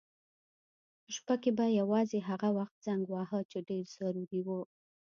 په شپه کې به یې یوازې هغه وخت زنګ واهه چې ډېر ضروري و.